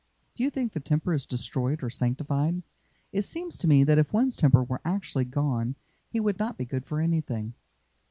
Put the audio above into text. Do you think the temper is destroyed or sanctified? It seems to me that if one's temper were actually gone he would not be good for anything."